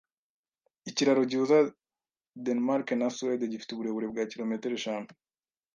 Ikiraro gihuza Danemarke na Suwede gifite uburebure bwa kilometero eshanu.